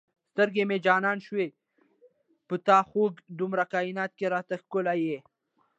سترګې مې جانانه شوې په تا خوږې دومره کاینات کې را ته ښکلی یې